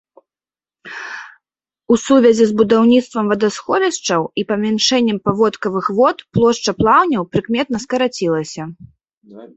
У сувязі з будаўніцтвам вадасховішчаў і памяншэннем паводкавых вод плошчы плаўняў прыкметна скарацілася.